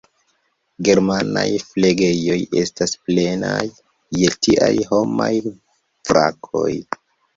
Germanaj flegejoj estas plenaj je tiaj homaj vrakoj.